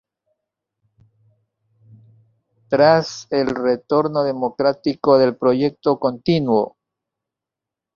Tras el retorno democrático, el proyecto continuó.